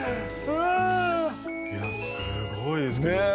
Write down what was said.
いやすごいですけど。